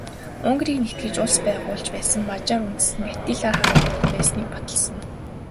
Унгарыг нэгтгэж улс байгуулж байсан Мажар үндэстэн Атилла хааны удам байсныг баталсан.